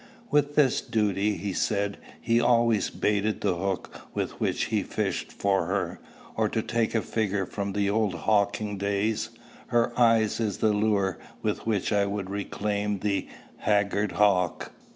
With this duty, he said, he always baited the hook with which he fished for her; "or, to take a figure from the old hawking days, her eyas is the lure with which I would reclaim the haggard hawk."